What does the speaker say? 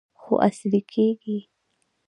خو عصري کیږي.